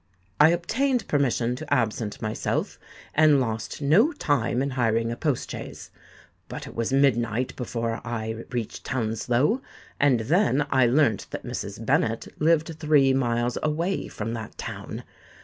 I obtained permission to absent myself, and lost no time in hiring a post chaise. But it was midnight before I reached Hounslow; and then I learnt that Mrs. Bennet lived three miles away from that town.